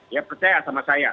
ya percaya sama saya